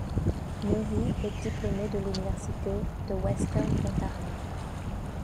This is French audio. Neary est diplômé de l'Université de Western Ontario.